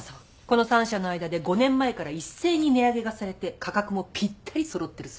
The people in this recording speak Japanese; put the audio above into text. この３社の間で５年前から一斉に値上げがされて価格もぴったり揃ってるそうです。